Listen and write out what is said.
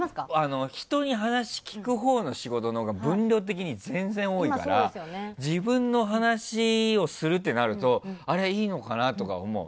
人に話を聞くほうの仕事のほうが分量的に全然多いから自分の話をするってなるとあれ、いいのかなって思う。